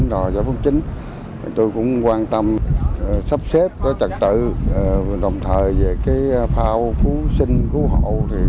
tôi cũng quan tâm sắp xếp trật tự đồng thời về phao cứu sinh cứu hộ